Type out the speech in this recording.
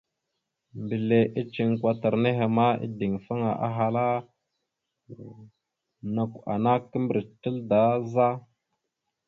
Mbile iceŋ kwatar nehe ma, ideŋfaŋa, ahala: « Nakw ana kimbirec naɗ da za? ».